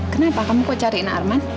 kenapa kamu kok cariin arman